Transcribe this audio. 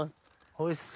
おいしそ！